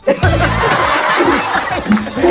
ไม่ใช่